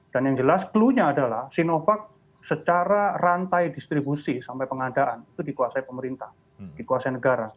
dan yang jelas cluenya adalah sinovac secara rantai distribusi sampai pengadaan itu dikuasai pemerintah dikuasai negara